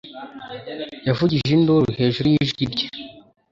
Yavugije induru hejuru y'ijwi rye.